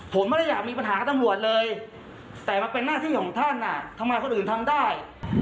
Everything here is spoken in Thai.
ผมไม่ได้อยากมีปัญหากับตำรวจเลยแต่มันเป็นหน้าที่ของท่านทำไมคนอื่นทำได้